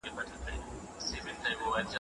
ایا ملي بڼوال کاغذي بادام صادروي؟